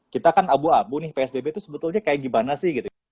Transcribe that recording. kita kan abu abu nih psbb itu sebetulnya kayak gimana sih gitu